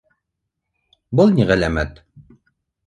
Бы ни ғәләмәт?!